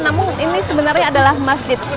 namun ini sebenarnya adalah masjid